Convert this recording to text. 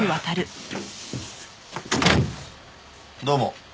どうも。